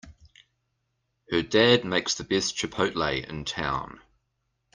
Her dad makes the best chipotle in town!